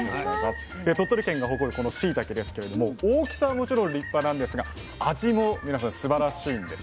鳥取県が誇るこのしいたけですけれども大きさはもちろん立派なんですが味も皆さんすばらしいんです。